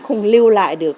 không lưu lại được